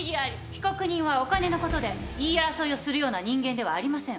被告人はお金のことで言い争いをするような人間ではありません。